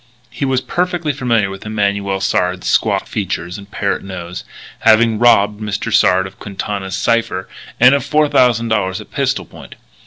He was perfectly familiar with Emanuel Sard's squat features and parrot nose, having robbed Mr. Sard of Quintana's cipher and of $4,000 at pistol point.